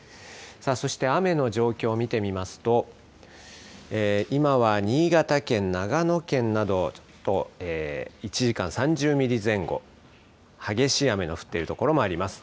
そして雨の状況を見てみますと、今は新潟県、長野県など、１時間３０ミリ前後、激しい雨が降っている所もあります。